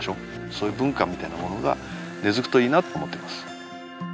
そういう文化みたいなものが根づくといいなと思っています